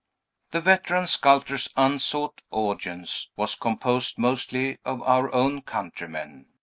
The veteran Sculptor's unsought audience was composed mostly of our own countrymen.